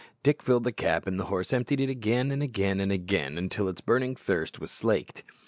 Dick filled the cap and the horse emptied it again, and again, and again, until its burning thirst was slaked.